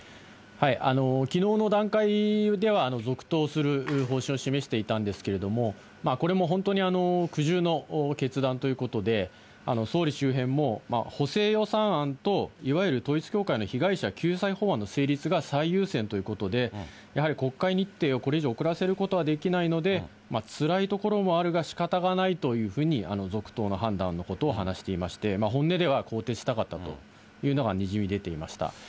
きのうの段階では続投する方針を示していたんですけれども、これも本当に苦渋の決断ということで、総理周辺も補正予算案といわゆる統一教会の被害者救済法案の成立が最優先ということで、やはり国会日程をこれ以上、遅らせることはできないので、つらいところもあるがしかたがないというふうに続投の判断のことを話していまして、本音では更迭したかったというのがにじみ出ていました。